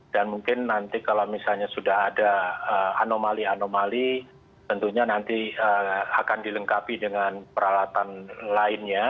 dan mungkin nanti kalau misalnya sudah ada anomali anomali tentunya nanti akan dilengkapi dengan peralatan lainnya